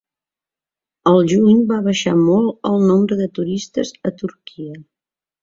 Al juny va baixar molt el nombre de turistes a Turquia